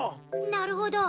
なるほど。